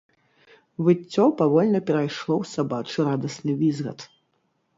Выццё павольна перайшло ў сабачы радасны візгат.